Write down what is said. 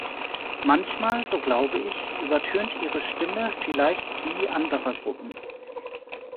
Manchmal, so glaube ich, übertönt ihre Stimme vielleicht die anderer Gruppen.